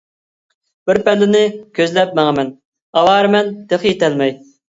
بىر پەللىنى كۆزلەپ ماڭىمەن، ئاۋارىمەن تېخى يىتەلمەي.